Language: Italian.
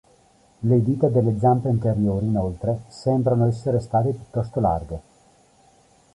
Le dita delle zampe anteriori, inoltre, sembrano essere state piuttosto larghe.